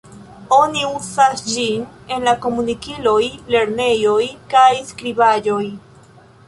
Oni uzas ĝin en la komunikiloj, lernejoj kaj skribaĵoj.